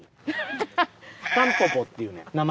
タンポポっていうねん名前。